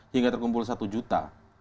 hingga terkumpul satu juta